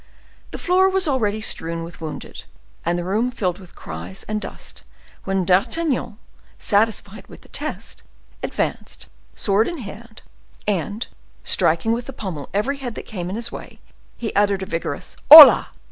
The floor was already strewn with wounded, and the room filled with cries and dust, when D'Artagnan, satisfied with the test, advanced, sword in hand, and striking with the pommel every head that came in his way, he uttered a vigorous hola!